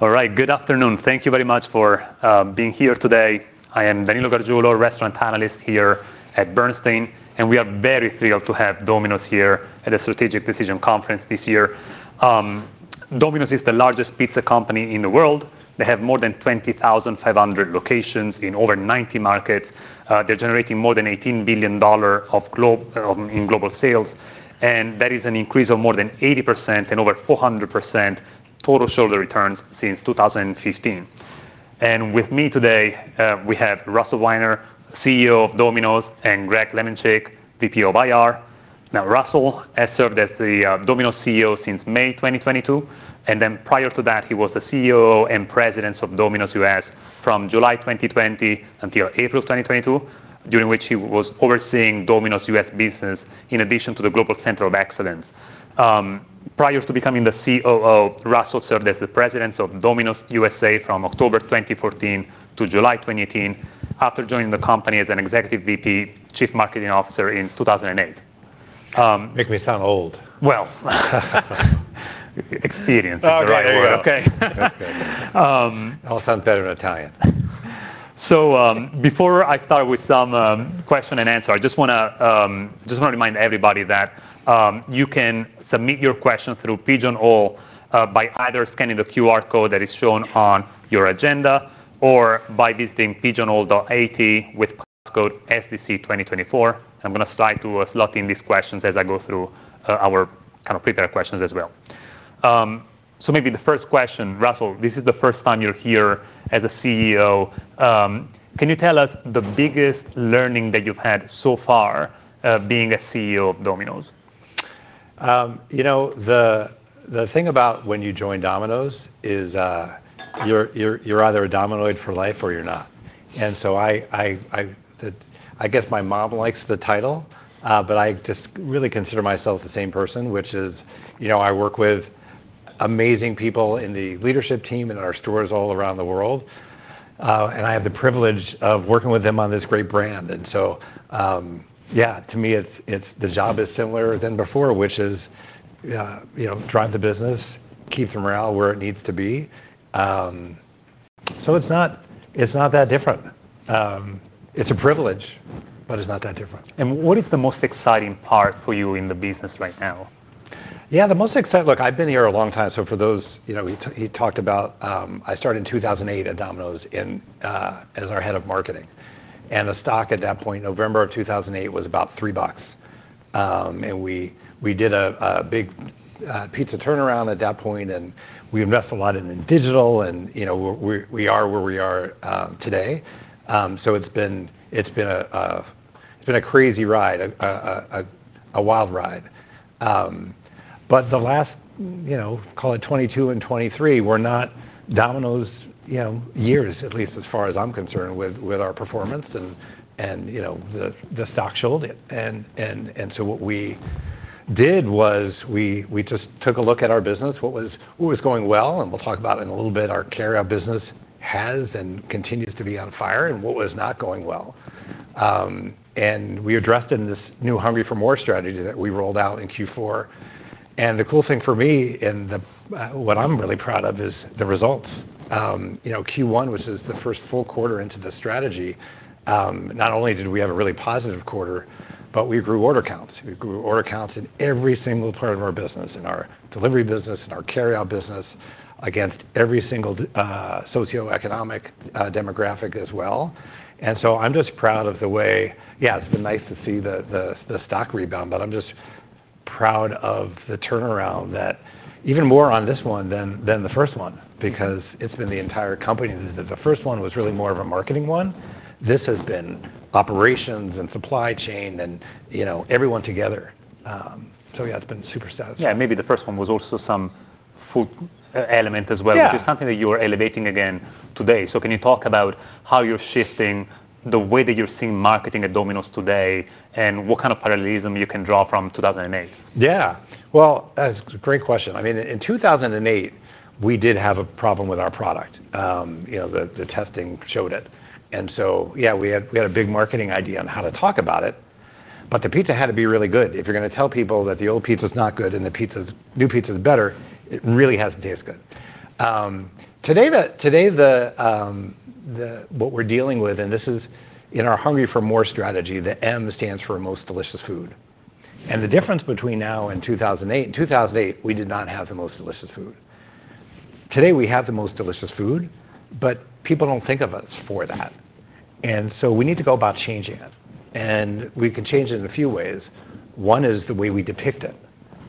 All right, good afternoon. Thank you very much for being here today. I am Danilo Gargiulo, Restaurant Analyst here at Bernstein, and we are very thrilled to have Domino's here at the Strategic Decisions Conference this year. Domino's is the largest pizza company in the world. They have more than 20,500 locations in over 90 markets. They're generating more than $18 billion in global sales, and that is an increase of more than 80% and over 400% total shareholder returns since 2015. With me today, we have Russell Weiner, CEO of Domino's, and Greg Lemenchick, VP of IR. Now, Russell has served as the Domino's CEO since May 2022, and then prior to that, he was the CEO and President of Domino's U.S. from July 2020 until April 2022, during which he was overseeing Domino's US business in addition to the Global Center of Excellence. Prior to becoming the COO, Russell served as the President of Domino's USA from October 2014 to July 2018, after joining the company as an executive VP, Chief Marketing Officer in 2008. Making me sound old. Well, experienced is the right word. Okay, there you go. Okay. Okay. Um- All sounds better in Italian. Before I start with some question and answer, I just wanna remind everybody that you can submit your questions through Pigeonhole by either scanning the QR code that is shown on your agenda or by visiting pigeonhole.at with passcode SDC 2024. I'm gonna try to slot in these questions as I go through our kind of prepared questions as well. So maybe the first question, Russell, this is the first time you're here as a CEO. Can you tell us the biggest learning that you've had so far being a CEO of Domino's? You know, the thing about when you join Domino's is you're either a Dominoite for life or you're not. And so I guess my mom likes the title, but I just really consider myself the same person, which is, you know, I work with amazing people in the leadership team, in our stores all around the world, and I have the privilege of working with them on this great brand. And so, yeah, to me, it's the job is similar than before, which is, you know, drive the business, keep the morale where it needs to be. So it's not that different. It's a privilege, but it's not that different. What is the most exciting part for you in the business right now? Yeah, the most exciting...Look, I've been here a long time, so for those, you know, we talked about, I started in 2008 at Domino's as our head of marketing. And the stock at that point, November of 2008, was about $3. And we did a big pizza turnaround at that point, and we invested a lot in digital, and, you know, we are where we are today. So it's been a crazy ride, a wild ride. But the last, you know, call it 2022 and 2023, were not Domino's years, at least as far as I'm concerned, with our performance and, you know, the stock showed it. What we did was we just took a look at our business, what was going well, and we'll talk about it in a little bit, our carryout business has and continues to be on fire, and what was not going well. We addressed in this new Hungry for MORE strategy that we rolled out in Q4. The cool thing for me, and the, what I'm really proud of, is the results. You know, Q1, which is the first full quarter into the strategy, not only did we have a really positive quarter, but we grew order counts. We grew order counts in every single part of our business, in our delivery business, in our carryout business, against every single socioeconomic demographic as well. And so I'm just proud of the way, yeah, it's been nice to see the stock rebound, but I'm just proud of the turnaround that even more on this one than the first one, because it's been the entire company. The first one was really more of a marketing one. This has been operations and supply chain and, you know, everyone together. So yeah, it's been super satisfying. Yeah, maybe the first one was also some food element as well- Yeah... which is something that you are elevating again today. So can you talk about how you're shifting the way that you're seeing marketing at Domino's today, and what kind of parallelism you can draw from 2008? Yeah. Well, that's a great question. I mean, in 2008, we did have a problem with our product. You know, the testing showed it, and so yeah, we had a big marketing idea on how to talk about it, but the pizza had to be really good. If you're gonna tell people that the old pizza is not good and the new pizza is better, it really has to taste good. Today, what we're dealing with, and this is in our Hungry for MORE strategy, the M stands for Most Delicious Food. And the difference between now and 2008, in 2008, we did not have the most delicious food. Today, we have the most delicious food, but people don't think of us for that, and so we need to go about changing it. We can change it in a few ways. One is the way we depict it,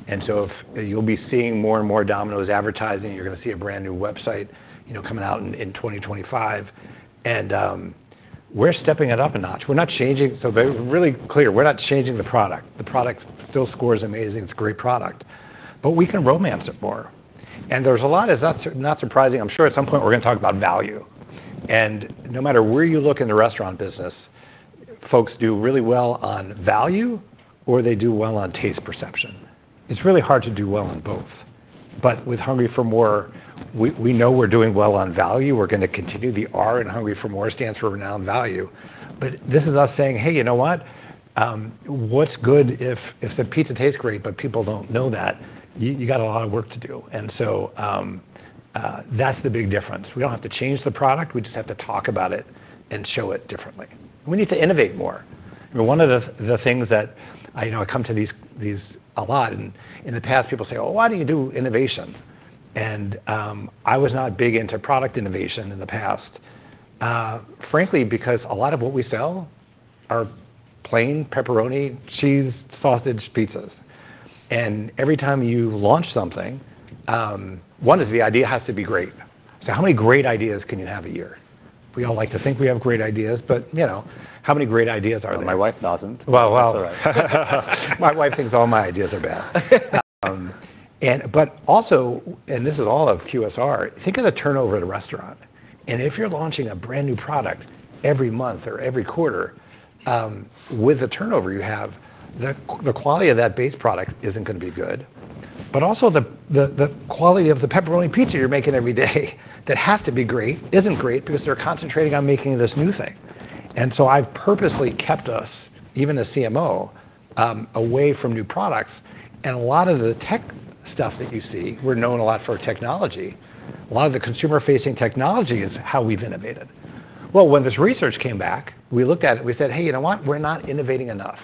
and so if... You'll be seeing more and more Domino's advertising, you're gonna see a brand-new website, you know, coming out in 2025. And we're stepping it up a notch. We're not changing... So very, really clear, we're not changing the product. The product still scores amazing. It's a great product, but we can romance it more. And there's a lot of - it's not surprising, I'm sure at some point we're gonna talk about value. And no matter where you look in the restaurant business, folks do really well on value or they do well on taste perception. It's really hard to do well on both. But with Hungry for MORE, we know we're doing well on value. We're gonna continue. The R in Hungry for MORE stands for Renowned Value. But this is us saying, "Hey, you know what? What's good if the pizza tastes great, but people don't know that?" You got a lot of work to do. That's the big difference. We don't have to change the product, we just have to talk about it and show it differently. We need to innovate more. You know, one of the things that I know I come to these a lot, and in the past people say, "Well, why do you do innovation?" I was not big into product innovation in the past, frankly, because a lot of what we sell are plain pepperoni, cheese, sausage, pizzas. And every time you launch something, one is the idea has to be great. So how many great ideas can you have a year? We all like to think we have great ideas, but, you know, how many great ideas are there? My wife doesn't. Well, well, my wife thinks all my ideas are bad. And but also, and this is all of QSR, think of the turnover at a restaurant, and if you're launching a brand-new product every month or every quarter, with the turnover you have, the quality of that base product isn't gonna be good. But also the quality of the pepperoni pizza you're making every day that has to be great isn't great because they're concentrating on making this new thing. And so I've purposely kept us, even as CMO, away from new products. And a lot of the tech stuff that you see, we're known a lot for our technology, a lot of the consumer-facing technology is how we've innovated. Well, when this research came back, we looked at it, we said: "Hey, you know what? We're not innovating enough.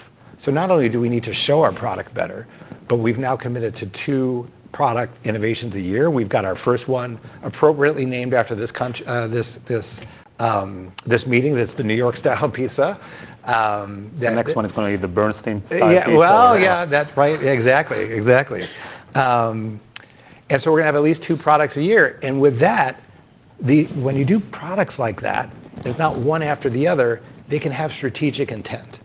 So not only do we need to show our product better, but we've now committed to two product innovations a year. We've got our first one appropriately named after this meeting, that's the New York Style Pizza. The next one is gonna be the Bernstein-style pizza. Well, yeah, that's right. Exactly, exactly. And so we're gonna have at least two products a year, and with that, when you do products like that, it's not one after the other, they can have strategic intent.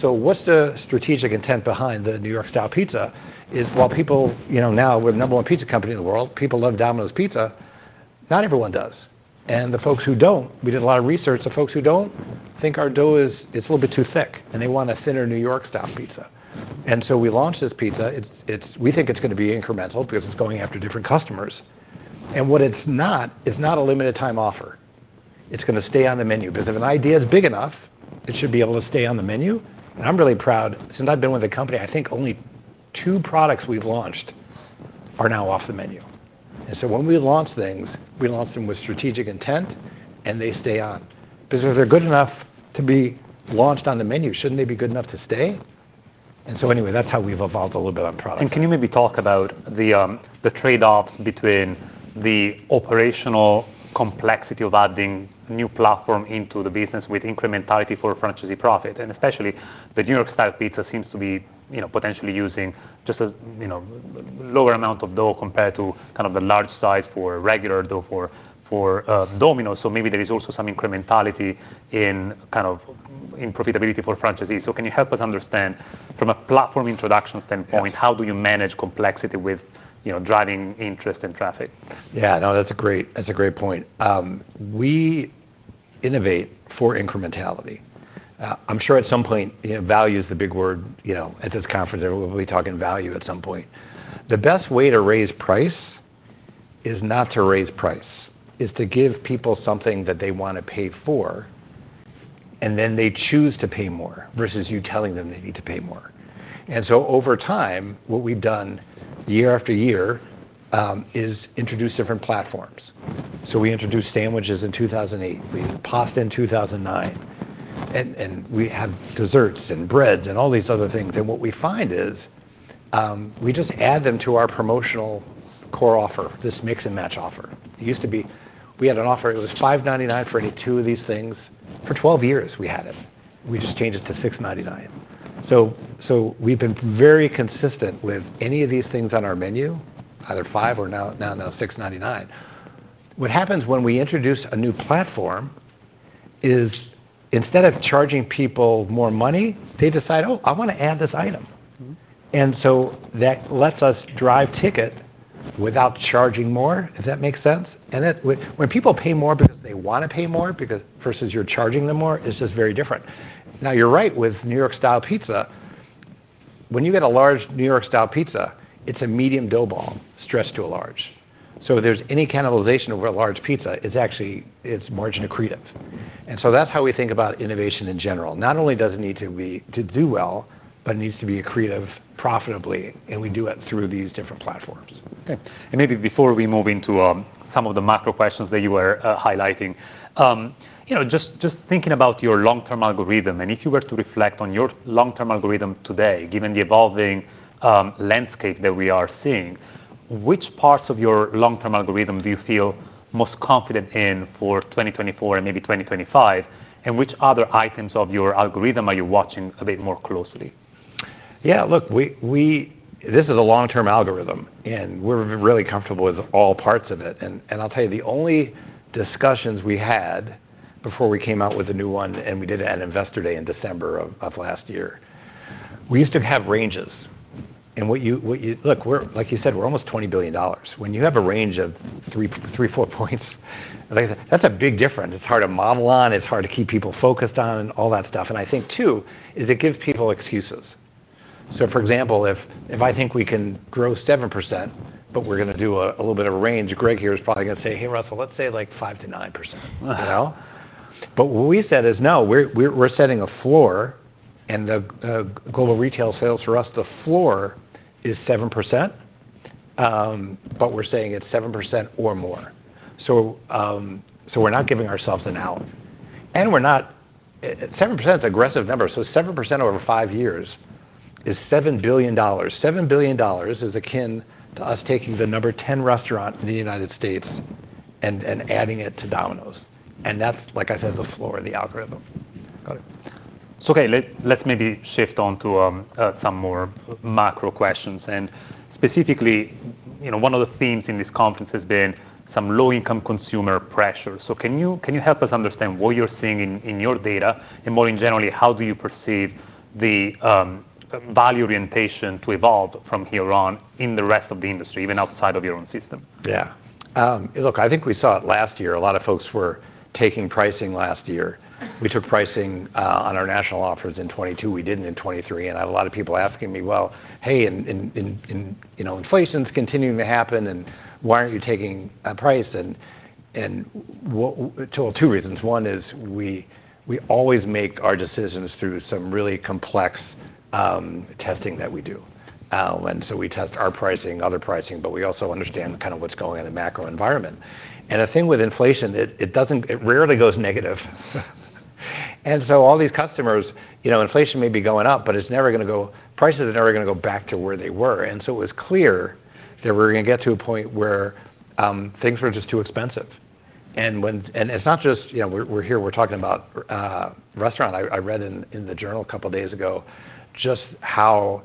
So what's the strategic intent behind the New York Style Pizza? It's while people, you know, now we're the number one pizza company in the world, people love Domino's Pizza, not everyone does. And the folks who don't, we did a lot of research, the folks who don't think our dough is, it's a little bit too thick, and they want a thinner New York Style Pizza. And so we launched this pizza. It's, it's - we think it's gonna be incremental because it's going after different customers. And what it's not, it's not a limited time offer. It's gonna stay on the menu, because if an idea is big enough, it should be able to stay on the menu. And I'm really proud. Since I've been with the company, I think only two products we've launched are now off the menu. And so when we launch things, we launch them with strategic intent, and they stay on. Because if they're good enough to be launched on the menu, shouldn't they be good enough to stay? And so anyway, that's how we've evolved a little bit on product. Can you maybe talk about the trade-offs between the operational complexity of adding new platform into the business with incrementality for franchisee profit, and especially the New York Style Pizza seems to be, you know, potentially using just a, you know, lower amount of dough compared to kind of the large size for regular dough for Domino's. So maybe there is also some incrementality in, kind of, in profitability for franchisees. So can you help us understand, from a platform introduction standpoint- Yes... how do you manage complexity with, you know, driving interest and traffic? Yeah, no, that's a great, that's a great point. We innovate for incrementality. I'm sure at some point, you know, value is the big word, you know, at this conference, we'll be talking value at some point. The best way to raise price is not to raise price, it's to give people something that they want to pay for, and then they choose to pay more, versus you telling them they need to pay more. And so over time, what we've done year after year is introduce different platforms. So we introduced sandwiches in 2008, we did pasta in 2009, and, and we have desserts, and breads, and all these other things. And what we find is, we just add them to our promotional core offer, this Mix & Match offer. It used to be we had an offer, it was $5.99 for any two of these things. For 12 years we had it, we just changed it to $6.99. So, so we've been very consistent with any of these things on our menu, either $5 or now, now, now $6.99. What happens when we introduce a new platform is, instead of charging people more money, they decide: "Oh, I want to add this item. Mm-hmm. And so that lets us drive ticket without charging more. Does that make sense? And when people pay more because they want to pay more, because versus you're charging them more, it's just very different. Now, you're right, with New York Style Pizza, when you get a large New York Style Pizza, it's a medium dough ball stretched to a large. So if there's any cannibalization of a large pizza, it's actually, it's margin accretive. And so that's how we think about innovation in general. Not only does it need to be to do well, but it needs to be accretive profitably, and we do it through these different platforms. Okay. And maybe before we move into some of the macro questions that you were highlighting, you know, just, just thinking about your long-term algorithm, and if you were to reflect on your long-term algorithm today, given the evolving landscape that we are seeing, which parts of your long-term algorithm do you feel most confident in for 2024 and maybe 2025? And which other items of your algorithm are you watching a bit more closely? Yeah, look, we—this is a Long-term Algorithm, and we're really comfortable with all parts of it. And I'll tell you, the only discussions we had before we came out with a new one, and we did it at Investor Day in December of last year, we used to have ranges. And what you... Look, we're, like you said, we're almost $20 billion. When you have a range of 3-4 points, like I said, that's a big difference. It's hard to model on, it's hard to keep people focused on, and all that stuff. And I think, too, is it gives people excuses. Mm. So for example, if I think we can grow 7%, but we're gonna do a little bit of a range, Greg here is probably gonna say: "Hey, Russell, let's say, like, 5%-9%," you know? But what we said is, "No, we're setting a floor," and the global retail sales for us, the floor is 7%. But we're saying it's 7% or more. So we're not giving ourselves an out, and we're not, 7%'s an aggressive number, so 7% over five years is $7 billion. $7 billion is akin to us taking the number 10 restaurant in the United States and adding it to Domino's, and that's, like I said, the floor of the algorithm. Got it. So okay, let's maybe shift on to some more macro questions, and specifically, you know, one of the themes in this conference has been some low-income consumer pressure. So can you help us understand what you're seeing in your data? And more generally, how do you perceive the value orientation to evolve from here on in the rest of the industry, even outside of your own system? Yeah. Look, I think we saw it last year. A lot of folks were taking pricing last year. We took pricing on our national offers in 2022, we didn't in 2023, and I had a lot of people asking me, "Well, hey, in you know, inflation's continuing to happen, and why aren't you taking a price?" And well, two reasons. One is we always make our decisions through some really complex testing that we do. And so we test our pricing, other pricing, but we also understand kind of what's going on in the macro environment. And the thing with inflation, it doesn't-- it rarely goes negative. And so all these customers, you know, inflation may be going up, but it's never gonna go... Prices are never gonna go back to where they were. And so it was clear that we were gonna get to a point where, things were just too expensive. And it's not just, you know, we're, we're here, we're talking about, restaurant. I, I read in, in the journal a couple of days ago, just how,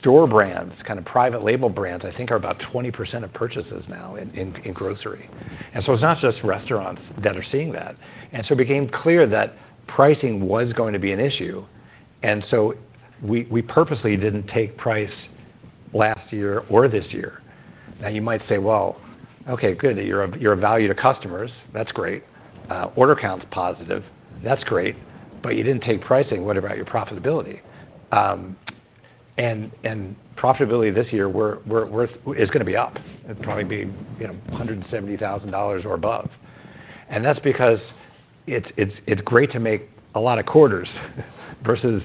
store brands, kind of private label brands, I think, are about 20% of purchases now in, in, in grocery. And so it's not just restaurants that are seeing that. And so it became clear that pricing was going to be an issue, and so we, we purposely didn't take price last year or this year. Now, you might say, "Well, okay, good, you're of, you're a value to customers. That's great. Order count's positive. That's great. But you didn't take pricing. What about your profitability?" And profitability this year is gonna be up. It'd probably be, you know, $170,000 or above. And that's because it's great to make a lot of quarters versus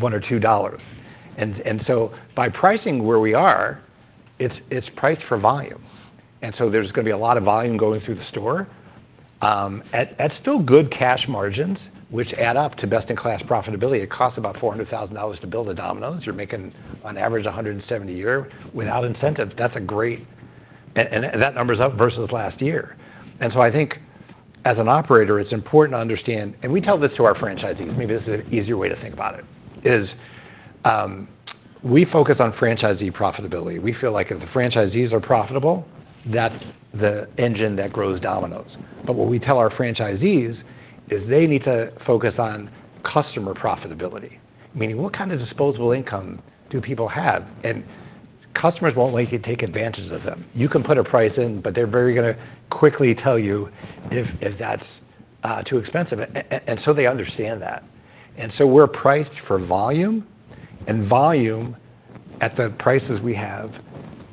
one or two dollars. And so by pricing where we are, it's priced for volume, and so there's gonna be a lot of volume going through the store at still good cash margins, which add up to best-in-class profitability. It costs about $400,000 to build a Domino's. You're making on average $170,000 a year without incentives. That's a great. And that number's up versus last year. And so I think as an operator, it's important to understand, and we tell this to our franchisees, maybe this is an easier way to think about it, is, we focus on franchisee profitability. We feel like if the franchisees are profitable, that's the engine that grows Domino's. But what we tell our franchisees is they need to focus on customer profitability, meaning what kind of disposable income do people have? And customers won't like you to take advantage of them. You can put a price in, but they're very gonna quickly tell you if that's too expensive. And so they understand that. And so we're priced for volume, and volume at the prices we have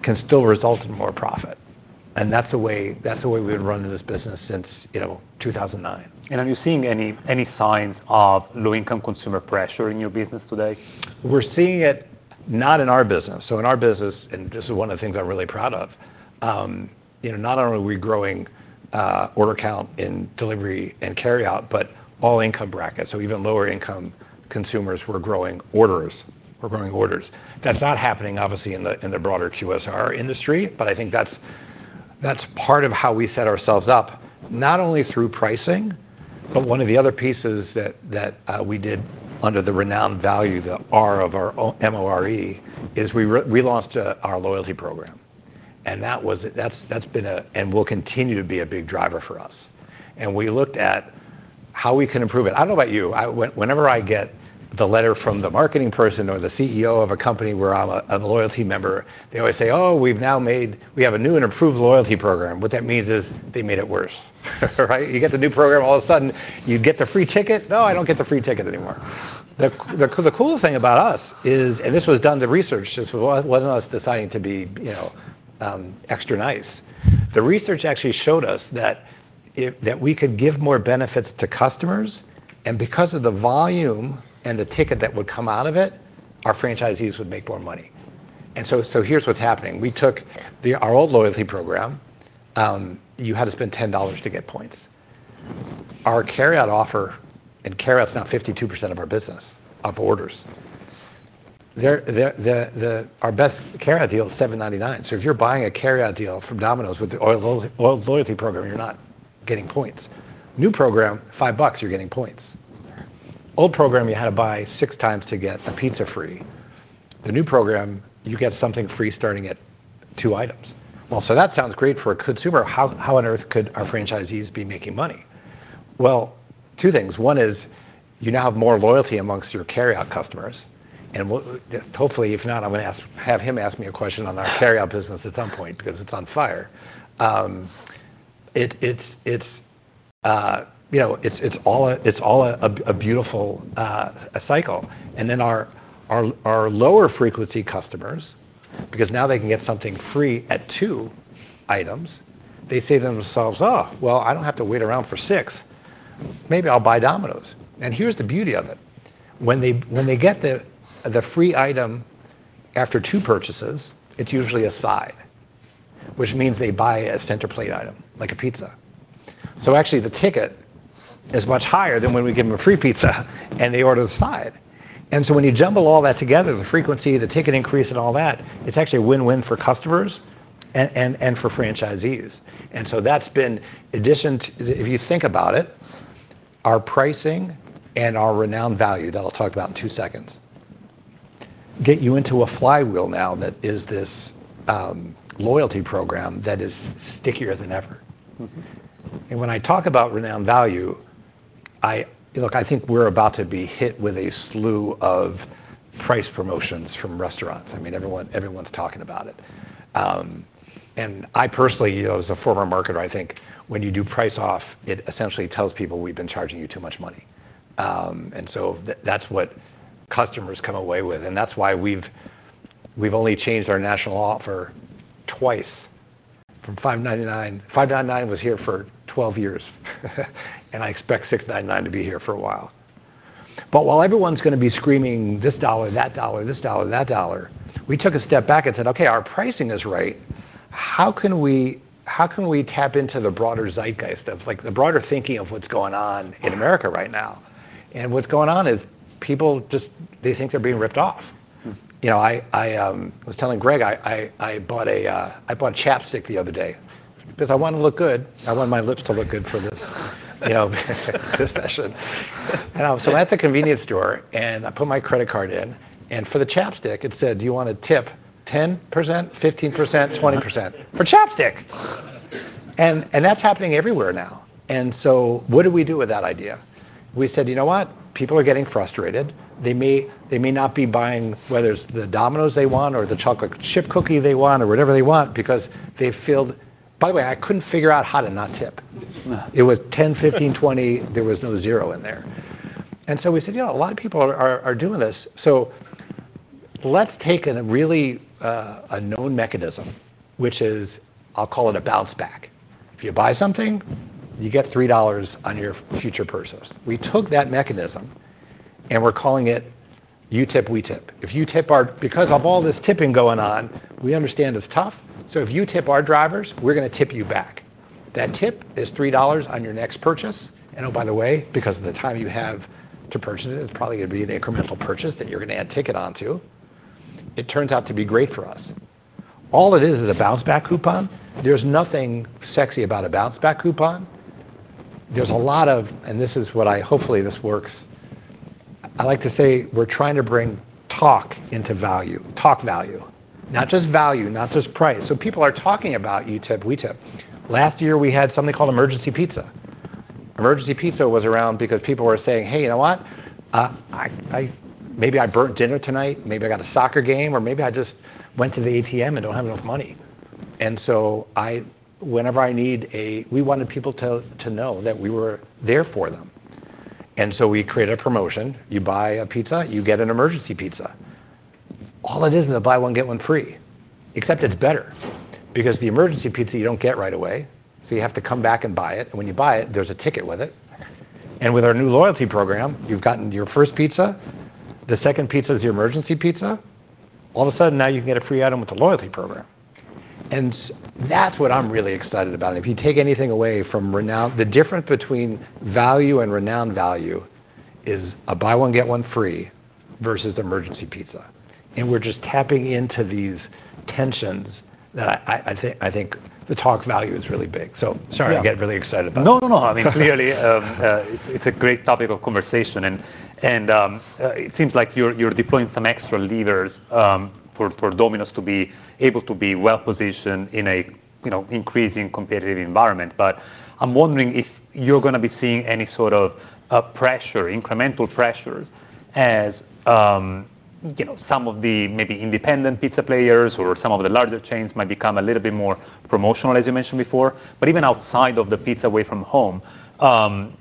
can still result in more profit, and that's the way, that's the way we've been running this business since, you know, 2009. Are you seeing any signs of low-income consumer pressure in your business today? We're seeing it not in our business. So in our business, and this is one of the things I'm really proud of, you know, not only are we growing order count in delivery and carryout, but all income brackets. So even lower-income consumers, we're growing orders. We're growing orders. That's not happening, obviously, in the broader QSR industry, but I think that's part of how we set ourselves up, not only through pricing, but one of the other pieces that we did under the renowned value, the R of our MORE, is we launched our loyalty program, and that was it, that's been a... and will continue to be a big driver for us. And we looked at how we can improve it. I don't know about you, whenever I get the letter from the marketing person or the CEO of a company where I'm a loyalty member, they always say, "Oh, we have a new and improved loyalty program." What that means is they made it worse, right? You get the new program, all of a sudden, you get the free ticket. "No, I don't get the free ticket anymore." The coolest thing about us is, and this was done, the research, this was not us deciding to be, you know, extra nice. The research actually showed us that that we could give more benefits to customers, and because of the volume and the ticket that would come out of it, our franchisees would make more money. So here's what's happening. We took our old loyalty program. You had to spend $10 to get points. Our carryout offer, and carryout is now 52% of our business, our orders. Our best carryout deal is $7.99. So if you're buying a carryout deal from Domino's with the loyalty program, you're not getting points. New program, $5, you're getting points. Old program, you had to buy six times to get a pizza free. The new program, you get something free starting at two items. Well, so that sounds great for a consumer. How on earth could our franchisees be making money? Well, two things: One is, you now have more loyalty amongst your carryout customers, and hopefully, if not, I'm gonna ask- have him ask me a question on our carryout business at some point, because it's on fire. You know, it's all a beautiful cycle. And then our lower-frequency customers because now they can get something free at two items, they say to themselves, "Oh, well, I don't have to wait around for six. Maybe I'll buy Domino's." And here's the beauty of it: when they get the free item after two purchases, it's usually a side, which means they buy a center plate item, like a pizza. So actually, the ticket is much higher than when we give them a free pizza and they order the side. And so when you jumble all that together, the frequency, the ticket increase, and all that, it's actually a win-win for customers and for franchisees. And so that's been addition to— If you think about it, our pricing and our renowned value, that I'll talk about in two seconds, get you into a flywheel now that is this, loyalty program that is stickier than ever. Mm-hmm. And when I talk about renowned value, I look, I think we're about to be hit with a slew of price promotions from restaurants. I mean, everyone, everyone's talking about it. And I personally, you know, as a former marketer, I think when you do price off, it essentially tells people we've been charging you too much money. And so that's what customers come away with, and that's why we've only changed our national offer twice from $5.99. $5.99 was here for 12 years, and I expect $6.99 to be here for a while. But while everyone's gonna be screaming, "This dollar, that dollar, this dollar, that dollar," we took a step back and said, "Okay, our pricing is right. How can we tap into the broader zeitgeist of, like, the broader thinking of what's going on in America right now?" And what's going on is people just... They think they're being ripped off. Mm. You know, I was telling Greg, I bought ChapStick the other day because I wanna look good. I want my lips to look good for this, you know, this session. So I'm at the convenience store, and I put my credit card in, and for the ChapStick, it said, "Do you want to tip 10%, 15%, 20%?" For ChapStick! And that's happening everywhere now. And so what do we do with that idea? We said, "You know what? People are getting frustrated. They may not be buying whether it's the Domino's they want or the chocolate chip cookie they want or whatever they want because they feel..." By the way, I couldn't figure out how to not tip. Yeah. It was 10, 15, 20. There was no zero in there. And so we said, "Yeah, a lot of people are doing this." So let's take a really, a known mechanism, which is, I'll call it a bounce back. If you buy something, you get $3 on your future purchase. We took that mechanism, and we're calling it You Tip, We Tip. Because of all this tipping going on, we understand it's tough, so if you tip our drivers, we're gonna tip you back. That tip is $3 on your next purchase. And oh, by the way, because of the time you have to purchase it, it's probably gonna be an incremental purchase that you're gonna add ticket onto. It turns out to be great for us. All it is is a bounce back coupon. There's nothing sexy about a bounce back coupon. There's a lot of. Hopefully, this works. I like to say we're trying to bring talk into value, talk value, not just value, not just price. So people are talking about You Tip, We Tip. Last year, we had something called Emergency Pizza. Emergency Pizza was around because people were saying, "Hey, you know what? Maybe I burnt dinner tonight, maybe I got a soccer game, or maybe I just went to the ATM and don't have enough money." "And so whenever I need a..." We wanted people to know that we were there for them, and so we created a promotion. You buy a pizza. You get an Emergency Pizza. All it is, is a buy one, get one free, except it's better because the Emergency Pizza, you don't get right away, so you have to come back and buy it. When you buy it, there's a ticket with it, and with our new loyalty program, you've gotten your first pizza. The second pizza is your Emergency Pizza. All of a sudden, now you can get a free item with the loyalty program. And that's what I'm really excited about. If you take anything away from renown, the difference between value and renowned value is a buy one, get one free versus Emergency Pizza, and we're just tapping into these tensions that I think the talk value is really big. So sorry, I get really excited about it. No, no, no. I mean, clearly, it's a great topic of conversation, and it seems like you're deploying some extra levers for Domino's to be able to be well-positioned in a, you know, increasing competitive environment. But I'm wondering if you're gonna be seeing any sort of pressure, incremental pressures as you know, some of the maybe independent pizza players or some of the larger chains might become a little bit more promotional, as you mentioned before. But even outside of the pizza way from home,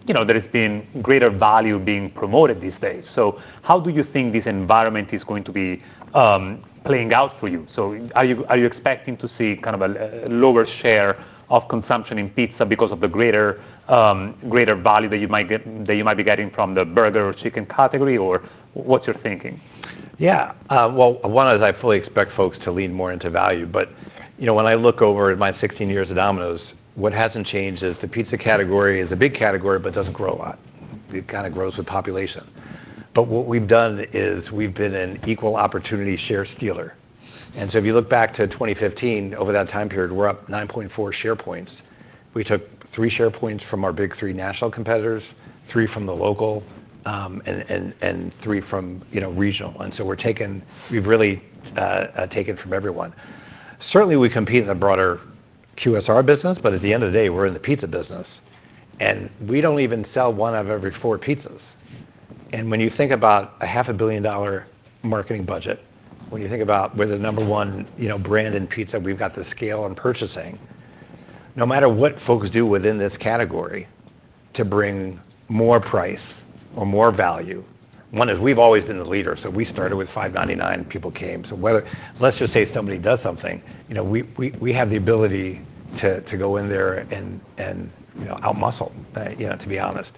you know, there has been greater value being promoted these days. So how do you think this environment is going to be playing out for you? So are you expecting to see kind of a lower share of consumption in pizza because of the greater value that you might be getting from the burger or chicken category, or what's your thinking? Yeah, well, one is I fully expect folks to lean more into value. But, you know, when I look over my 16 years at Domino's, what hasn't changed is the pizza category is a big category, but it doesn't grow a lot. It kind of grows with population. But what we've done is we've been an equal opportunity share stealer. And so if you look back to 2015, over that time period, we're up 9.4 share points. We took three share points from our big three national competitors, three from the local, and three from, you know, regional. And so we've really taken from everyone. Certainly, we compete in the broader QSR business, but at the end of the day, we're in the pizza business, and we don't even sell one out of every four pizzas. When you think about a $500 million marketing budget, when you think about we're the number one, you know, brand in pizza, we've got the scale and purchasing power. No matter what folks do within this category to bring more price or more value, one is we've always been the leader. So we started with $5.99, people came. So whether—let's just say if somebody does something, you know, we have the ability to go in there and, you know, outmuscle, to be honest.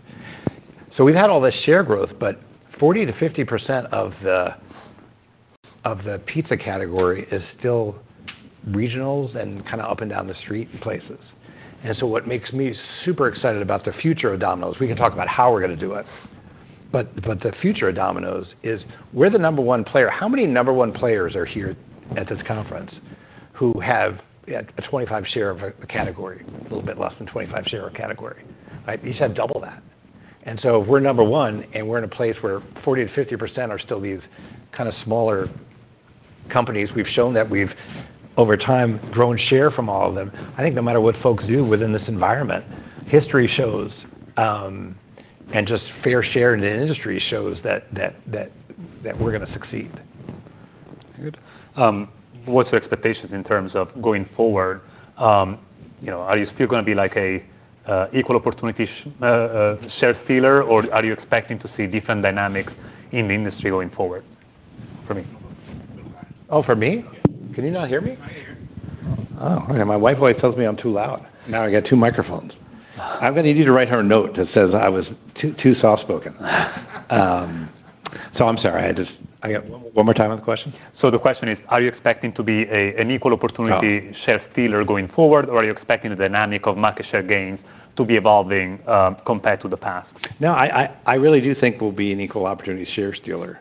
So we've had all this share growth, but 40%-50% of the pizza category is still regionals and kind of up and down the street places. What makes me super excited about the future of Domino's? We can talk about how we're gonna do it, but the future of Domino's is we're the number one player. How many number one players are here at this conference who have a 25 share of a category? A little bit less than 25 share of a category, right? We just had double that. We're number one, and we're in a place where 40%-50% are still these kind of smaller companies. We've shown that we've, over time, grown share from all of them. I think no matter what folks do within this environment, history shows and just fair share in the industry shows that we're gonna succeed. Good. What's your expectations in terms of going forward? You know, are you still gonna be like a equal opportunity share stealer, or are you expecting to see different dynamics in the industry going forward? For me. Oh, for me? Yeah. Can you not hear me? I hear you. Oh, okay. My wife always tells me I'm too loud. Now I got two microphones. I'm gonna need you to write her a note that says I was too, too soft-spoken. So I'm sorry. I just... I got one more time on the question. The question is, are you expecting to be an equal opportunity- No... share stealer going forward, or are you expecting the dynamic of market share gains to be evolving, compared to the past? No, I really do think we'll be an equal opportunity share stealer.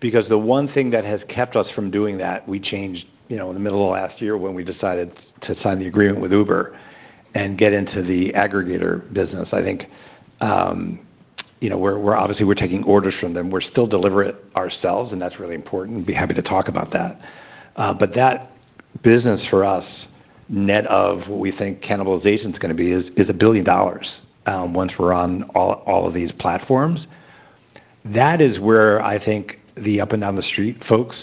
Because the one thing that has kept us from doing that, we changed, you know, in the middle of last year when we decided to sign the agreement with Uber and get into the aggregator business. I think, you know, we're obviously we're taking orders from them. We still deliver it ourselves, and that's really important. Be happy to talk about that. But that business for us, net of what we think cannibalization is gonna be, is $1 billion, once we're on all of these platforms. That is where I think the up-and-down the street folks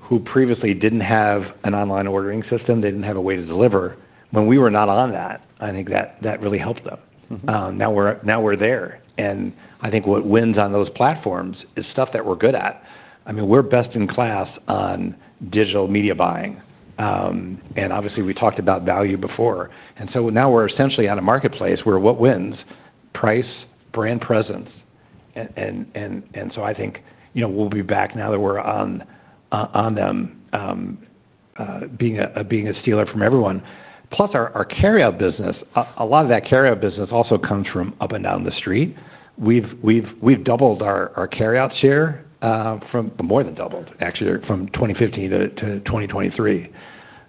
who previously didn't have an online ordering system, they didn't have a way to deliver, when we were not on that, I think that really helped them. Mm-hmm. Now we're there, and I think what wins on those platforms is stuff that we're good at. I mean, we're best in class on digital media buying, and obviously, we talked about value before. And so now we're essentially at a marketplace where what wins? Price, brand presence, and so I think, you know, we'll be back now that we're on them, being a stealer from everyone. Plus, our carryout business, a lot of that carryout business also comes from up and down the street. We've more than doubled our carryout share, actually, from 2015 to 2023.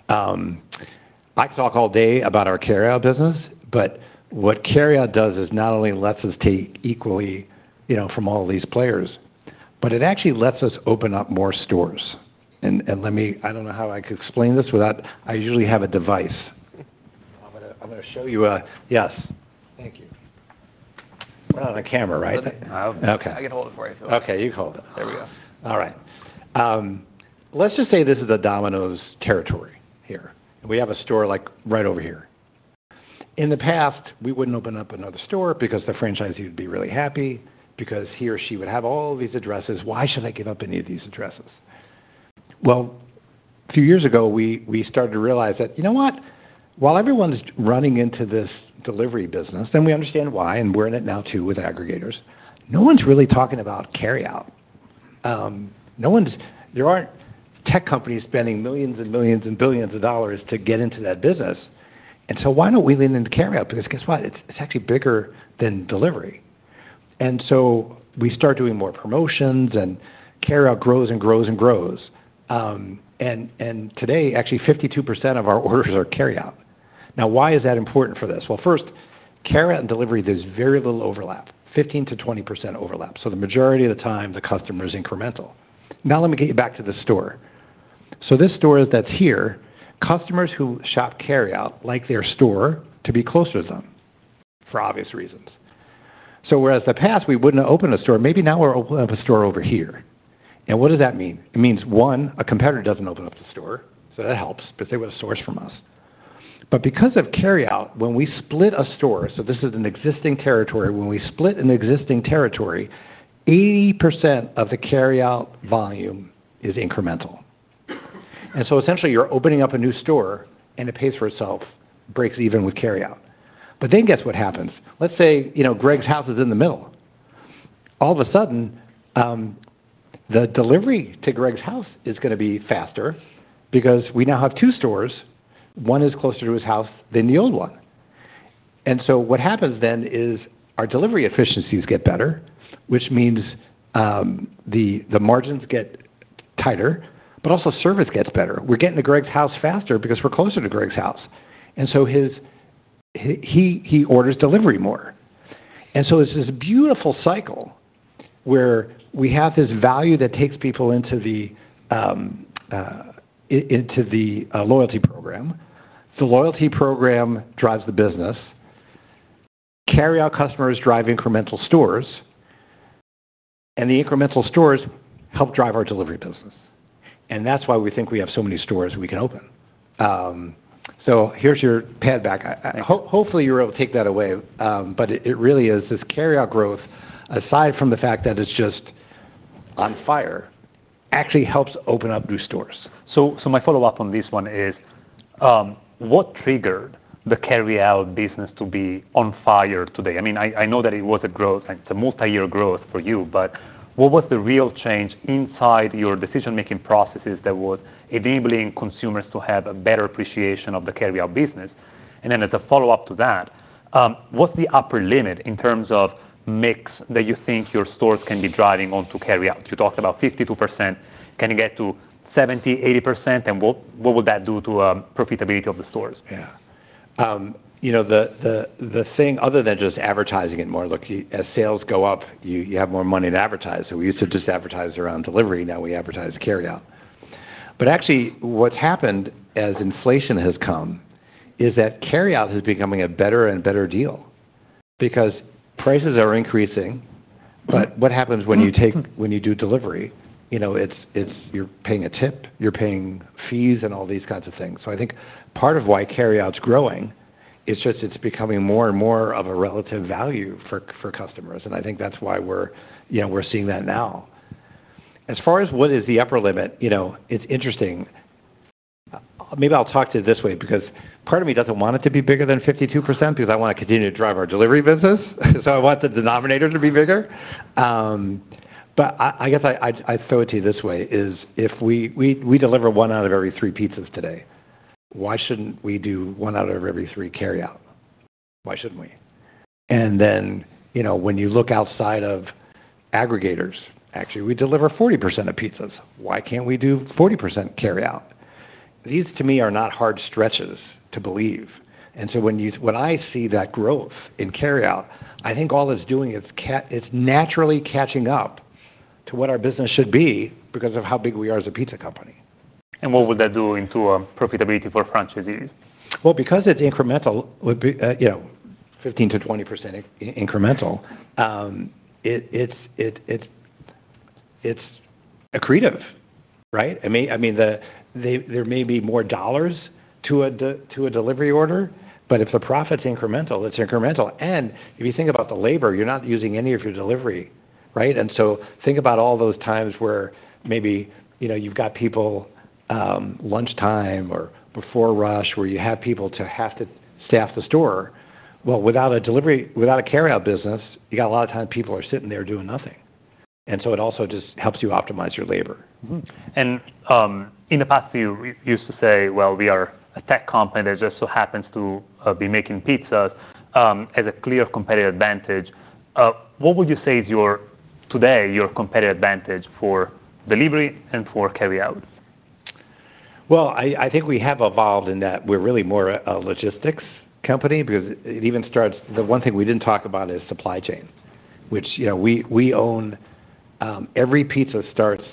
I talk all day about our carryout business, but what carryout does is not only lets us take equally, you know, from all these players, but it actually lets us open up more stores. And let me—I don't know how I could explain this without... I usually have a device. I'm gonna show you—yes. Thank you. Not on the camera, right? Okay. Okay. I can hold it for you if you want. Okay, you hold it. There we go. All right. Let's just say this is a Domino's territory here, and we have a store, like, right over here. In the past, we wouldn't open up another store because the franchisee would be really happy, because he or she would have all these addresses. Why should I give up any of these addresses? Well, a few years ago, we started to realize that, you know what? While everyone's running into this delivery business, and we understand why, and we're in it now too, with aggregators, no one's really talking about carryout. There aren't tech companies spending millions and millions and billions of dollars to get into that business. And so why don't we lean into carryout? Because guess what? It's actually bigger than delivery. And so we start doing more promotions, and carryout grows and grows and grows. And today, actually, 52% of our orders are carryout. Now, why is that important for this? Well, first, carryout and delivery, there's very little overlap, 15%-20% overlap, so the majority of the time, the customer is incremental. Now, let me get you back to the store. So this store that's here, customers who shop carryout like their store to be closer to them, for obvious reasons. So whereas the past, we wouldn't open a store, maybe now we're open up a store over here. And what does that mean? It means, one, a competitor doesn't open up the store, so that helps, but they would've sourced from us. But because of carryout, when we split a store, so this is an existing territory, when we split an existing territory, 80% of the carryout volume is incremental. And so essentially, you're opening up a new store, and it pays for itself, breaks even with carryout. But then, guess what happens? Let's say, you know, Greg's house is in the middle. All of a sudden, the delivery to Greg's house is gonna be faster because we now have two stores. One is closer to his house than the old one. So what happens then is our delivery efficiencies get better, which means the margins get tighter, but also service gets better. We're getting to Greg's house faster because we're closer to Greg's house, and so he orders delivery more. So there's this beautiful cycle where we have this value that takes people into the loyalty program. The loyalty program drives the business. Carryout customers drive incremental stores, and the incremental stores help drive our delivery business, and that's why we think we have so many stores we can open. So here's your pad back. I hopefully you're able to take that away, but it, it really is this carryout growth, aside from the fact that it's just on fire, actually helps open up new stores. So my follow-up on this one is, what triggered the carryout business to be on fire today? I mean, I know that it was a growth and it's a multi-year growth for you, but what was the real change inside your decision-making processes that was enabling consumers to have a better appreciation of the carryout business? And then as a follow-up to that, what's the upper limit in terms of mix that you think your stores can be driving onto carryout? You talked about 52%. Can you get to 70, 80%, and what would that do to profitability of the stores? Yeah. You know, the thing other than just advertising it more, look, as sales go up, you have more money to advertise. So we used to just advertise around delivery, now we advertise carryout. But actually, what's happened as inflation has come is that carryout is becoming a better and better deal because prices are increasing. Mm-hmm. But what happens when you take- Mm. When you do delivery? You know, it's, it's you're paying a tip, you're paying fees and all these kinds of things. So I think part of why carryout's growing is just it's becoming more and more of a relative value for for customers, and I think that's why we're, you know, we're seeing that now. As far as what is the upper limit, you know, it's interesting. Maybe I'll talk to you this way, because part of me doesn't want it to be bigger than 52% because I wanna continue to drive our delivery business, so I want the denominator to be bigger. But I guess I throw it to you this way, is if we deliver one out of every three pizzas today, why shouldn't we do one out of every three carryout? Why shouldn't we? And then, you know, when you look outside of aggregators, actually, we deliver 40% of pizzas. Why can't we do 40% carryout? These, to me, are not hard stretches to believe. And so when you... When I see that growth in carryout, I think all it's doing is it's naturally catching up to what our business should be because of how big we are as a pizza company. What would that do to profitability for franchisees? Well, because it's incremental, would be, you know, 15%-20% incremental. It's accretive, right? I mean, there may be more dollars to a delivery order, but if the profit's incremental, it's incremental. And if you think about the labor, you're not using any of your delivery, right? And so think about all those times where maybe, you know, you've got people, lunchtime or before rush, where you have people to have to staff the store. Well, without a carryout business, you got a lot of times people are sitting there doing nothing. And so it also just helps you optimize your labor. Mm-hmm. In the past, you used to say, "Well, we are a tech company that just so happens to be making pizzas," as a clear competitive advantage. What would you say is your, today, your competitive advantage for delivery and for carryout? Well, I think we have evolved in that we're really more a logistics company because it even starts... The one thing we didn't talk about is supply chain, which, you know, we own. Every pizza starts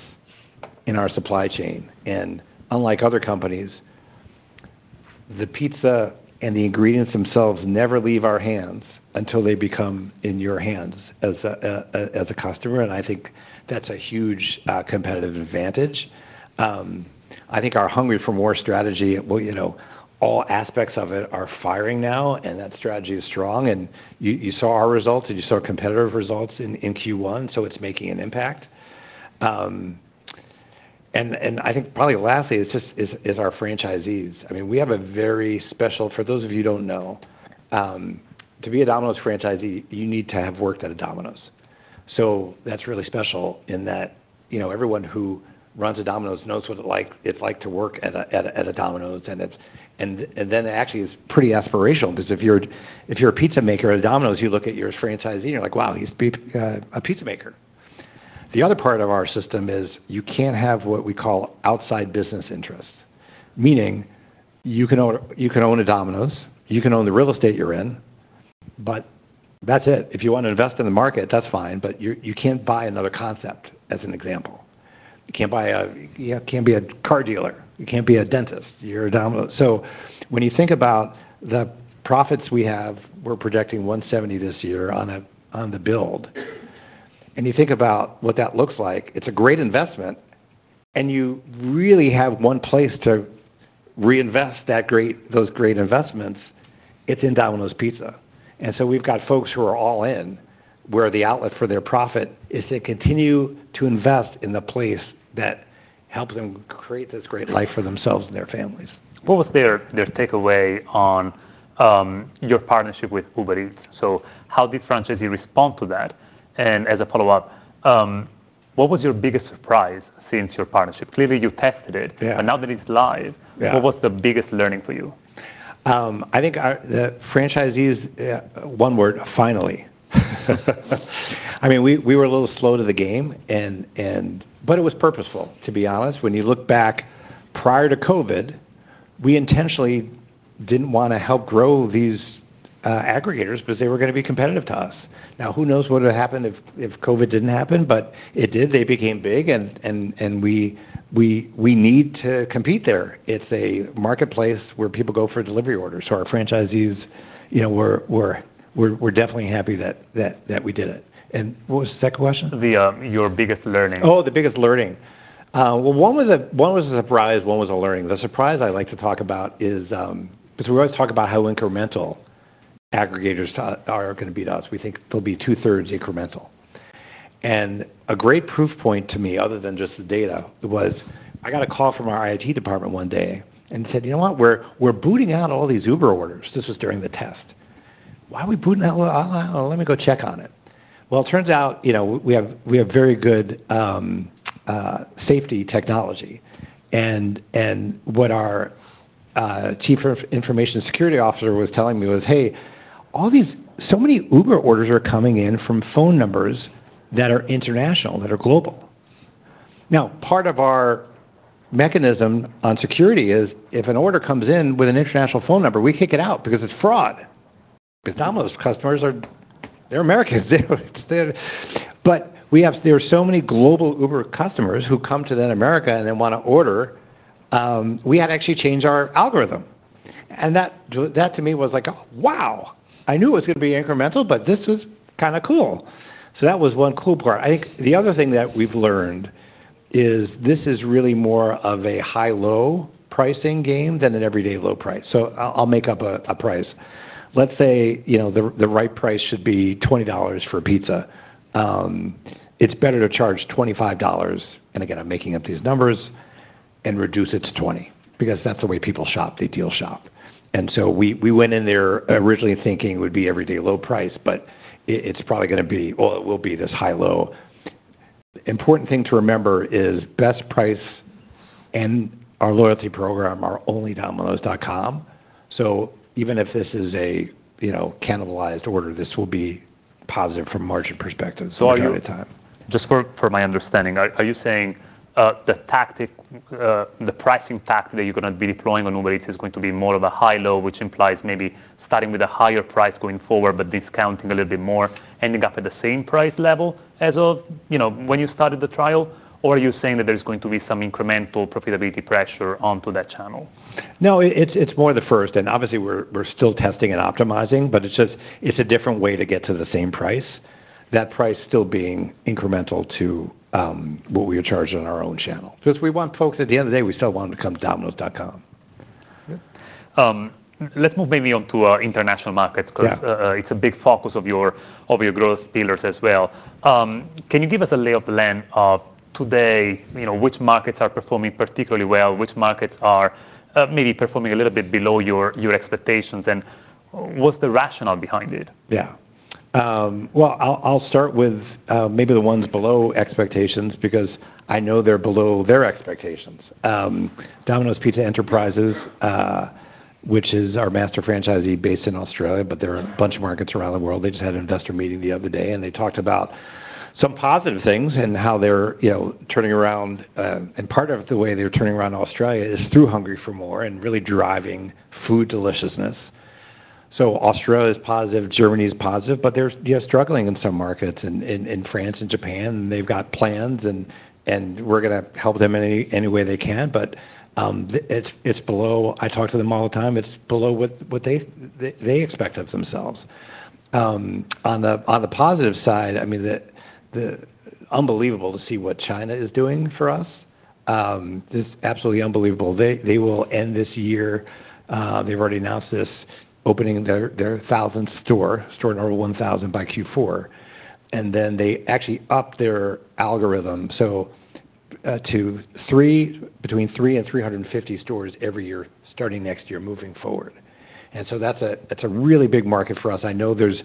in our supply chain, and unlike other companies, the pizza and the ingredients themselves never leave our hands until they become in your hands as a customer, and I think that's a huge competitive advantage. I think our Hungry for MORE strategy, well, you know, all aspects of it are firing now, and that strategy is strong, and you saw our results and you saw competitor results in Q1, so it's making an impact. And I think probably lastly is just our franchisees. I mean, we have a very special—for those of you who don't know, to be a Domino's franchisee, you need to have worked at a Domino's. So that's really special in that, you know, everyone who runs a Domino's knows what it's like, it's like to work at a Domino's, and then it actually is pretty aspirational, because if you're, if you're a pizza maker at Domino's, you look at your franchisee and you're like: "Wow, he's been a pizza maker." The other part of our system is, you can't have what we call outside business interests. Meaning, you can own, you can own a Domino's, you can own the real estate you're in, but that's it. If you want to invest in the market, that's fine, but you can't buy another concept, as an example. You can't be a car dealer. You can't be a dentist. You're a Domino's. So when you think about the profits we have, we're projecting $170 this year on the build, and you think about what that looks like, it's a great investment, and you really have one place to reinvest those great investments, it's in Domino's Pizza. And so we've got folks who are all in, where the outlet for their profit is to continue to invest in the place that helps them create this great life for themselves and their families. What was their takeaway on your partnership with Uber Eats? So how did franchisees respond to that? And as a follow-up, what was your biggest surprise since your partnership? Clearly, you tested it. Yeah. But now that it's live- Yeah... what was the biggest learning for you? I think our franchisees, one word: finally. I mean, we were a little slow to the game, but it was purposeful, to be honest. When you look back prior to COVID, we intentionally didn't wanna help grow these aggregators because they were gonna be competitive to us. Now, who knows what would've happened if COVID didn't happen? But it did, they became big, and we need to compete there. It's a marketplace where people go for delivery orders. So our franchisees, you know, we're definitely happy that we did it. And what was the second question? Your biggest learning. Oh, the biggest learning. Well, one was a surprise, one was a learning. The surprise I like to talk about is, because we always talk about how incremental aggregators are gonna be to us. We think they'll be two-thirds incremental. And a great proof point to me, other than just the data, was I got a call from our IT department one day and said: "You know what? We're booting out all these Uber orders." This was during the test. "Why are we booting out? Let me go check on it." Well, it turns out, you know, we have very good safety technology. What our Chief Information Security Officer was telling me was: "Hey, all these so many Uber orders are coming in from phone numbers that are international, that are global." Now, part of our mechanism on security is, if an order comes in with an international phone number, we kick it out because it's fraud. Because Domino's customers are, they're Americans, they're. But there are so many global Uber customers who come to then America, and they wanna order, we had to actually change our algorithm. And that, to me, was like, "Wow! I knew it was gonna be incremental, but this was kinda cool." So that was one cool part. I think the other thing that we've learned is this is really more of a high-low pricing game than an everyday low price. So I'll make up a price. Let's say, you know, the right price should be $20 for a pizza. It's better to charge $25, and again, I'm making up these numbers, and reduce it to $20, because that's the way people shop, they deal shop. And so we went in there originally thinking it would be everyday low price, but it's probably gonna be... Well, it will be this high-low. Important thing to remember is best price and our loyalty program are only domino's.com. So even if this is a, you know, cannibalized order, this will be positive from a margin perspective. So I got out of time. Just for my understanding, are you saying the pricing tactic that you're gonna be deploying on Uber Eats is going to be more of a high-low, which implies maybe starting with a higher price going forward, but discounting a little bit more, ending up at the same price level as of, you know, when you started the trial? Or are you saying that there's going to be some incremental profitability pressure onto that channel? No, it's more the first, and obviously, we're still testing and optimizing, but it's just a different way to get to the same price. That price still being incremental to what we are charging on our own channel. Because we want folks, at the end of the day, we still want them to come to domino's.com. Let's move maybe on to our international markets. Yeah. - because it's a big focus of your, of your growth pillars as well. Can you give us a lay of the land of today, you know, which markets are performing particularly well, which markets are maybe performing a little bit below your, your expectations, and what's the rationale behind it? Yeah. Well, I'll start with maybe the ones below expectations, because I know they're below their expectations. Domino's Pizza Enterprises, which is our master franchisee based in Australia, but there are a bunch of markets around the world. They just had an investor meeting the other day, and they talked about some positive things and how they're, you know, turning around. And part of the way they're turning around Australia is through Hungry for MORE and really driving food deliciousness. So Australia is positive, Germany is positive, but they're, yeah, struggling in some markets, in France and Japan, and they've got plans, and we're gonna help them any way we can. But, it's below. I talk to them all the time, it's below what they expect of themselves. On the positive side, I mean, the unbelievable to see what China is doing for us is absolutely unbelievable. They will end this year, they've already announced this, opening their 1,000th store, store number 1,000 by Q4. And then they actually up their algorithm, so to between 3 and 350 stores every year, starting next year, moving forward. And so that's a really big market for us. I know there's,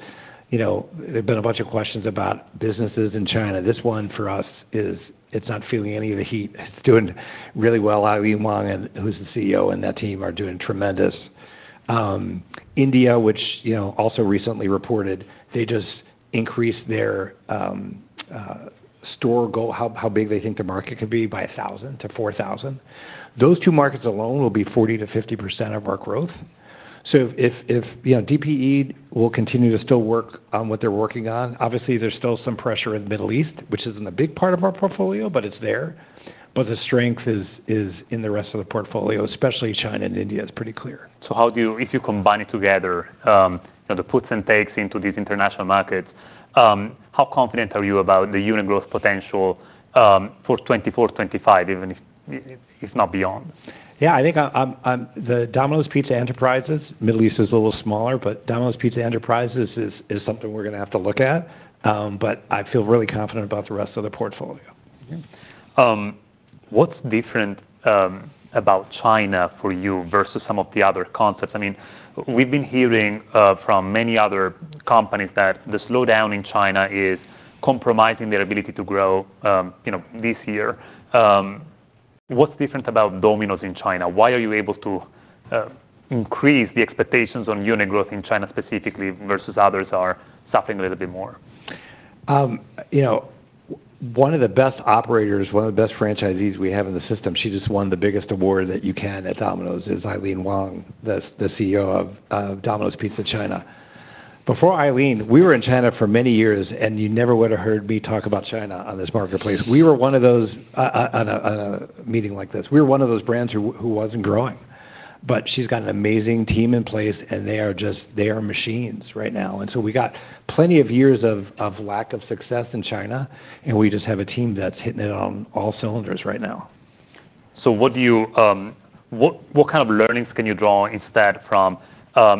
you know, there's been a bunch of questions about businesses in China. This one, for us, is, it's not feeling any of the heat. It's doing really well. Yi Wang, and who's the CEO, and that team are doing tremendous. India, which, you know, also recently reported, they just increased their store goal, how big they think the market could be, by 1,000 to 4,000. Those two markets alone will be 40%-50% of our growth. So if you know, DPE will continue to still work on what they're working on, obviously, there's still some pressure in the Middle East, which isn't a big part of our portfolio, but it's there. But the strength is in the rest of the portfolio, especially China and India, it's pretty clear. So, how do you, if you combine it together, you know, the puts and takes into these international markets, how confident are you about the unit growth potential for 2024, 2025, even if not beyond? Yeah, I think on the Domino's Pizza Enterprises, Middle East is a little smaller, but Domino's Pizza Enterprises is something we're gonna have to look at, but I feel really confident about the rest of the portfolio. What's different about China for you versus some of the other concepts? I mean, we've been hearing from many other companies that the slowdown in China is compromising their ability to grow, you know, this year. What's different about Domino's in China? Why are you able to increase the expectations on unit growth in China specifically, versus others are suffering a little bit more? You know, one of the best operators, one of the best franchisees we have in the system, she just won the biggest award that you can at Domino's, is Aileen Wang, the CEO of Domino's Pizza China. Before Aileen, we were in China for many years, and you never would've heard me talk about China on this marketplace. We were one of those, on a meeting like this, we were one of those brands who wasn't growing. But she's got an amazing team in place, and they are just they are machines right now. And so we got plenty of years of lack of success in China, and we just have a team that's hitting it on all cylinders right now. So what kind of learnings can you draw instead from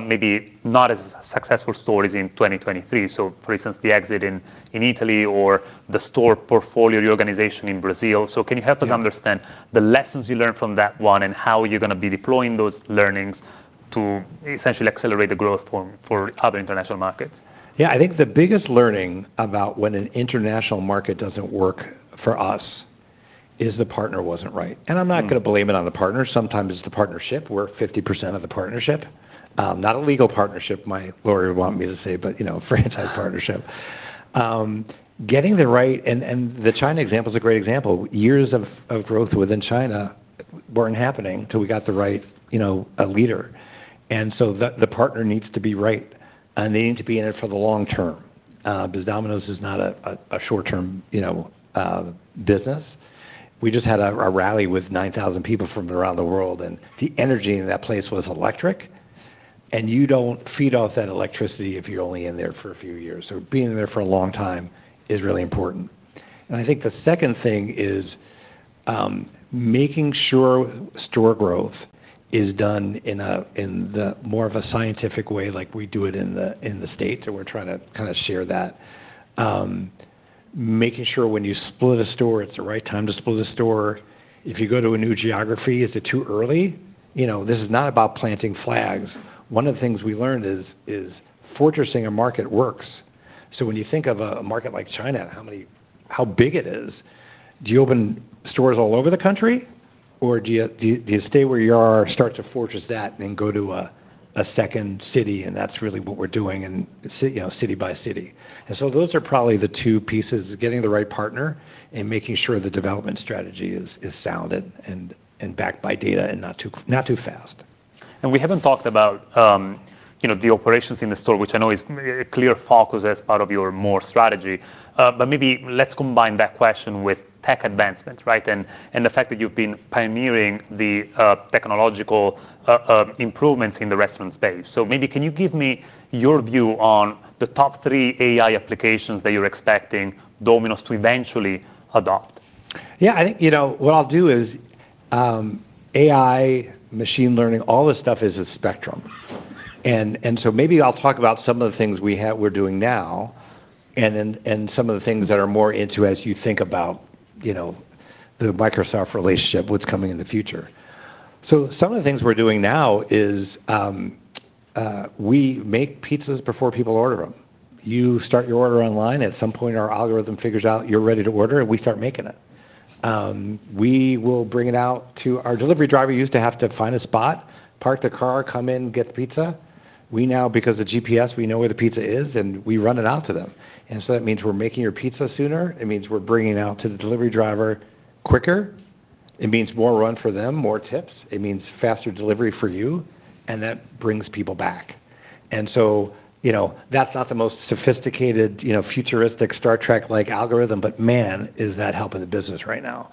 maybe not as successful stories in 2023? So for instance, the exit in Italy or the store portfolio reorganization in Brazil. So can you help us- Yeah... understand the lessons you learned from that one, and how you're gonna be deploying those learnings to essentially accelerate the growth for other international markets? Yeah, I think the biggest learning about when an international market doesn't work for us, is the partner wasn't right. Mm. I'm not gonna blame it on the partner. Sometimes it's the partnership, we're 50% of the partnership. Not a legal partnership, my lawyer would want me to say, but, you know, franchise partnership. Getting the right... The China example is a great example. Years of, of growth within China weren't happening until we got the right, you know, leader. And so the, the partner needs to be right, and they need to be in it for the long term, because Domino's is not a short-term, you know, business. We just had a rally with 9,000 people from around the world, and the energy in that place was electric, and you don't feed off that electricity if you're only in there for a few years. So being in there for a long time is really important. I think the second thing is making sure store growth is done in a more scientific way, like we do it in the States, and we're trying to kind of share that. Making sure when you split a store, it's the right time to split a store. If you go to a new geography, is it too early? You know, this is not about planting flags. One of the things we learned is fortressing a market works. So when you think of a market like China, how big it is, do you open stores all over the country, or do you stay where you are, start to fortress that, and then go to a second city? And that's really what we're doing in city by city, you know. And so those are probably the two pieces: getting the right partner, and making sure the development strategy is sound and backed by data and not too fast. We haven't talked about, you know, the operations in the store, which I know is a clear focus as part of your MORE strategy. But maybe let's combine that question with tech advancements, right? And the fact that you've been pioneering the technological improvements in the restaurant space. So maybe can you give me your view on the top three AI applications that you're expecting Domino's to eventually adopt? Yeah, I think, you know, what I'll do is, AI, machine learning, all this stuff is a spectrum. And so maybe I'll talk about some of the things we're doing now, and then some of the things that are more into, as you think about, you know, the Microsoft relationship, what's coming in the future. So some of the things we're doing now is, we make pizzas before people order them. You start your order online, at some point, our algorithm figures out you're ready to order, and we start making it. We will bring it out to... Our delivery driver used to have to find a spot, park the car, come in, get the pizza. We now, because of GPS, we know where the pizza is, and we run it out to them. And so that means we're making your pizza sooner. It means we're bringing it out to the delivery driver quicker. It means more run for them, more tips. It means faster delivery for you, and that brings people back. And so, you know, that's not the most sophisticated, you know, futuristic, Star Trek-like algorithm, but man, is that helping the business right now.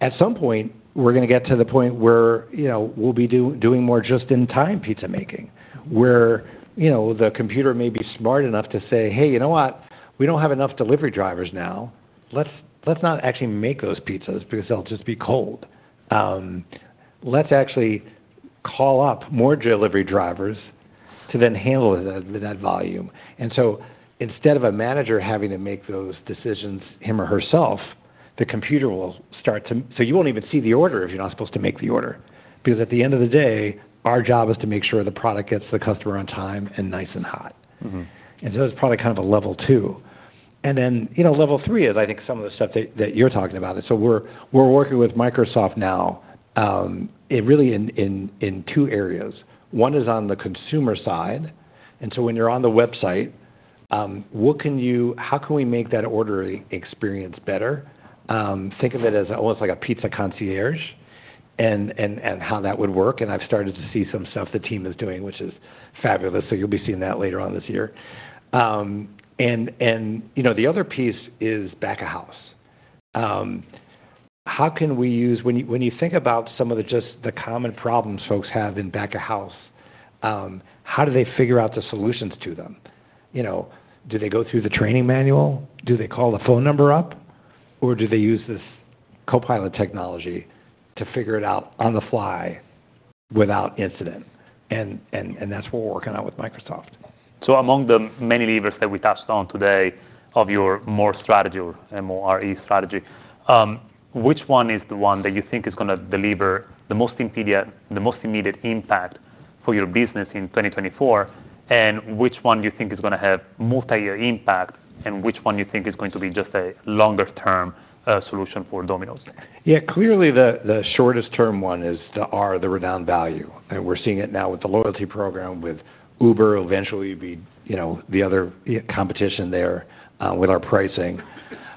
At some point, we're gonna get to the point where, you know, we'll be doing more just-in-time pizza making, where, you know, the computer may be smart enough to say, "Hey, you know what? We don't have enough delivery drivers now. Let's not actually make those pizzas because they'll just be cold. Let's actually call up more delivery drivers to then handle that volume." And so instead of a manager having to make those decisions him or herself, the computer will start to so you won't even see the order if you're not supposed to make the order, because at the end of the day, our job is to make sure the product gets to the customer on time and nice and hot. Mm-hmm. That's probably kind of a level two. And then, you know, level three is, I think, some of the stuff that you're talking about. So we're working with Microsoft now, in really two areas. One is on the consumer side, and so when you're on the website, what can you—how can we make that ordering experience better? Think of it as almost like a pizza concierge and how that would work, and I've started to see some stuff the team is doing, which is fabulous. So you'll be seeing that later on this year. And, you know, the other piece is back of house. When you think about some of the common problems folks have in back of house, how do they figure out the solutions to them? You know, do they go through the training manual? Do they call the phone number up, or do they use this Copilot technology to figure it out on the fly without incident? And that's what we're working on with Microsoft. Among the many levers that we touched on today of your MORE strategy, which one is the one that you think is gonna deliver the most immediate impact for your business in 2024, and which one do you think is gonna have multi-year impact, and which one you think is going to be just a longer term solution for Domino's? Yeah, clearly, the shortest term one is the R, the renowned value, and we're seeing it now with the loyalty program, with Uber will eventually be, you know, the other competition there, with our pricing.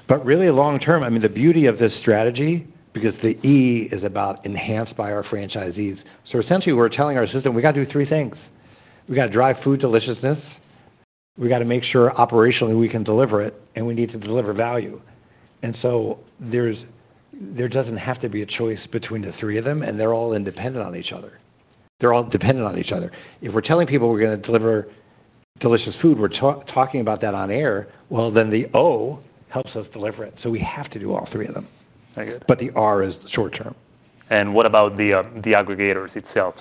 But really long term, I mean, the beauty of this strategy, because the E is about enhanced by our franchisees. So essentially, we're telling our system, we gotta do three things: We gotta drive food deliciousness, we gotta make sure operationally we can deliver it, and we need to deliver value. And so there's there doesn't have to be a choice between the three of them, and they're all independent on each other. They're all dependent on each other. If we're telling people we're gonna deliver delicious food, we're talking about that on air, well, then the O helps us deliver it, so we have to do all three of them. I get it. But the R is short term. What about the aggregators itself?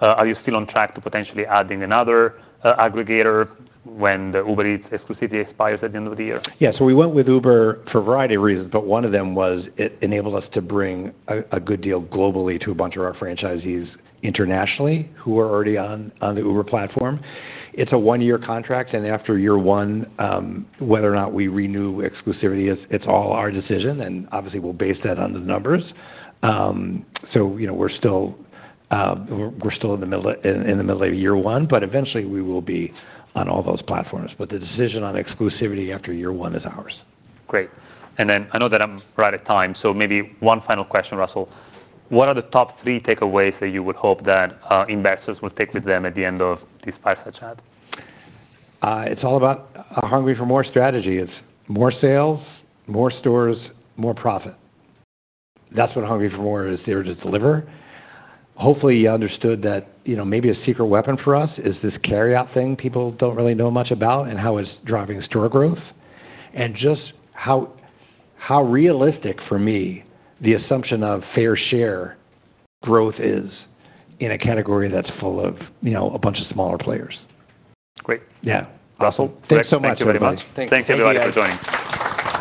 Are you still on track to potentially adding another aggregator when the Uber Eats exclusivity expires at the end of the year? Yeah, so we went with Uber for a variety of reasons, but one of them was it enabled us to bring a good deal globally to a bunch of our franchisees internationally, who are already on the Uber platform. It's a one-year contract, and after year one, whether or not we renew exclusivity, it's all our decision, and obviously, we'll base that on the numbers. So, you know, we're still in the middle of year one, but eventually, we will be on all those platforms. But the decision on exclusivity after year one is ours. Great. And then I know that I'm right at time, so maybe one final question, Russell: What are the top three takeaways that you would hope that, investors would take with them at the end of this fireside chat? It's all about a Hungry for MORE strategy. It's more sales, more stores, more profit. That's what Hungry for MORE is there to deliver. Hopefully, you understood that, you know, maybe a secret weapon for us is this carryout thing people don't really know much about and how it's driving store growth. And just how realistic, for me, the assumption of fair share growth is in a category that's full of, you know, a bunch of smaller players. Great. Yeah. Russell- Thanks so much, everybody. Thank you very much. Thank you. Thanks, everybody, for joining. Thanks so much.